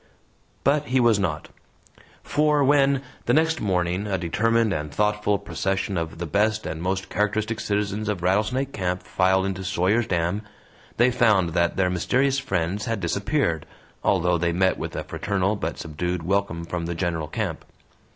But he was not. For when, the next morning, a determined and thoughtful procession of the best and most characteristic citizens of Rattlesnake Camp filed into Sawyer's Dam, they found that their mysterious friends had disappeared, although they met with a fraternal but subdued welcome from the general camp.